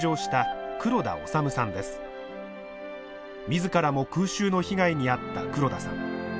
自らも空襲の被害に遭った黒田さん。